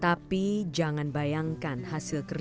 tapi jangan bayangkan hasil kerja